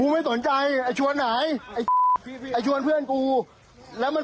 แมฟล์ไม่เอาแล้วครับ